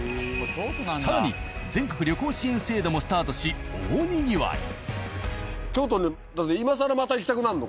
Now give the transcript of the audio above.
更に全国旅行支援制度もスタートし大にぎわい。